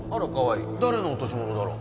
誰の落とし物だろう？